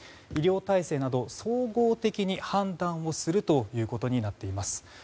医療体制など総合的に判断をするということになっています。